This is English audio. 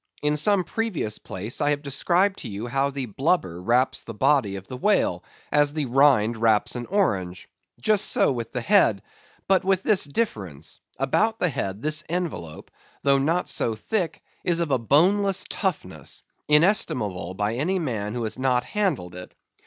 In some previous place I have described to you how the blubber wraps the body of the whale, as the rind wraps an orange. Just so with the head; but with this difference: about the head this envelope, though not so thick, is of a boneless toughness, inestimable by any man who has not handled it.